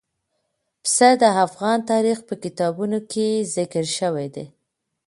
پسه د افغان تاریخ په کتابونو کې ذکر شوي دي.